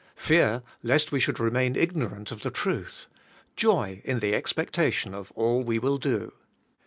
fear lest we should remain ignorant of the truth; joy in the expectation of all we will do.